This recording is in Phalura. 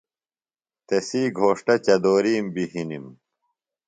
تسی گھوݜٹہ چدورِیم بی ہِنِم۔